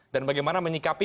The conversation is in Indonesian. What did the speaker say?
dan bagaimana menyikapi